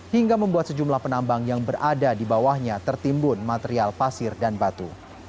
hingga membuat sejumlah penambang yang berada di bawahnya tertimbun material pasir dan batu